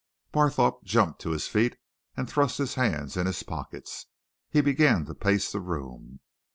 Barthorpe jumped to his feet and thrust his hands in his pockets. He began to pace the room.